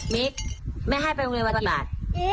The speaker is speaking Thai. มิ๊กแม่ให้ไปโรงเรียนวันกี่บาท